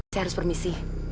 saya harus permisi